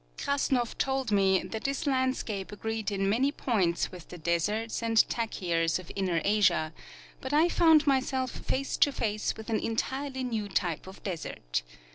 Krassnoff told nie that this landscaj^e agreed in many points with the deserts and takyrs of inner Asia, but I 'found myself face to face with an entirely new type of desert.